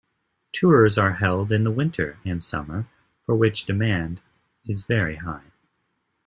Tours are held in the winter and summer, for which demand is very high.